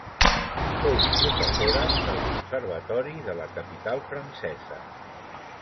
Fou professora del Conservatori de la capital francesa.